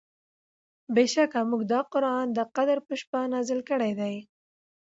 بېشکه مونږ دا قرآن د قدر په شپه نازل کړی دی